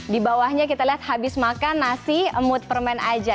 di bawahnya kita lihat habis makan nasi emut permen aja